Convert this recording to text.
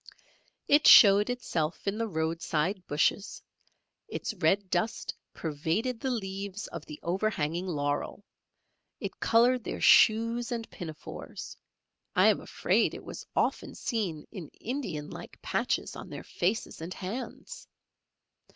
It showed itself in the roadside bushes; its red dust pervaded the leaves of the overhanging laurel, it coloured their shoes and pinafores; I am afraid it was often seen in Indian like patches on their faces and hands.